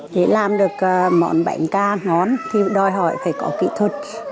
để làm được món bánh ca ngon thì đòi hỏi phải có kỹ thuật